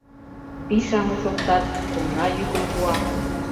Пий-шамыч оптат, тумна йӱкым пуа.